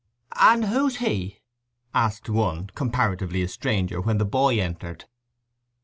"And who's he?" asked one, comparatively a stranger, when the boy entered.